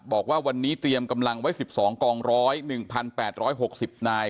บอกว่าวันนี้เตรียมกำลังไว้๑๒กอง๑๐๑๘๖๐นาย